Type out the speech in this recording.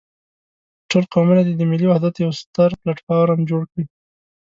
ټول قومونه دې د ملي وحدت يو ستر پلاټ فورم جوړ کړي.